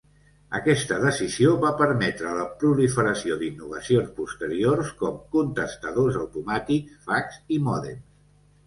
Aquesta decisió va permetre la proliferació d'innovacions posteriors com contestadors automàtics, fax, i mòdems.